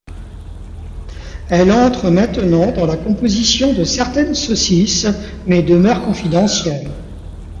Elle entre maintenant dans la composition de certaines saucisses mais demeure confidentielle.